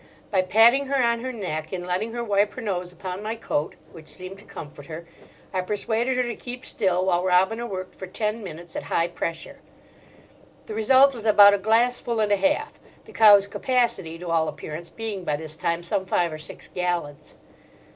By patting her on her neck, and letting her wipe her nose upon my coat—which seemed to comfort her—I persuaded her to keep still while Robina worked for ten minutes at high pressure. The result was about a glassful and a half, the cow's capacity, to all appearance, being by this time some five or six gallons.